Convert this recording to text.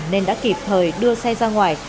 nên đã kịp thời đưa xe ra ngoài